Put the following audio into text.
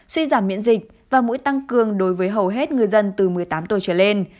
suy giảm miễn dịch và mũi tăng cường đối với hầu hết ngư dân từ một mươi tám tuổi trở lên